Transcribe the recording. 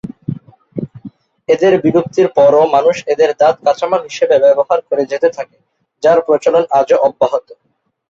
এদের বিলুপ্তির পরও, মানুষ এদের দাঁত কাঁচামাল হিসাবে ব্যবহার করে যেতে থাকে, যার প্রচলন আজও অব্যাহত।